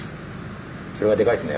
それがでかいっすね